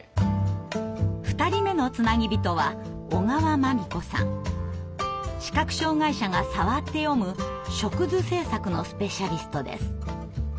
２人目のつなぎびとは視覚障害者が触って読む触図製作のスペシャリストです。